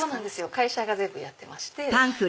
会社が全部やってまして。